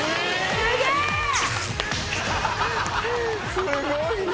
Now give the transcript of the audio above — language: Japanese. すごいな！